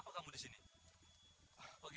pak permisi pak